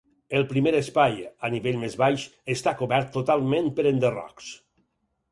El primer espai, a nivell més baix, està cobert totalment per enderrocs.